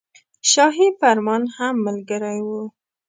شاهي فرمان هم ملګری وو.